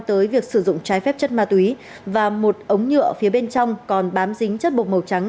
tới việc sử dụng trái phép chất ma túy và một ống nhựa phía bên trong còn bám dính chất bột màu trắng